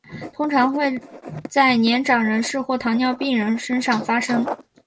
通常会在年长人士或糖尿病人身上发生。